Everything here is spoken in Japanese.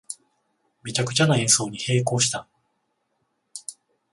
めちゃくちゃな演奏に閉口した